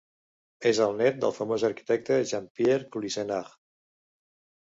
És el nét del famós arquitecte Jean-Pierre Cluysenaar.